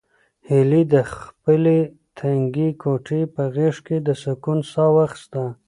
هیلې د خپلې تنګې کوټې په غېږ کې د سکون ساه واخیسته.